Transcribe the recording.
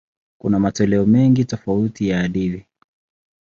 Kuna matoleo mengi tofauti ya hadithi.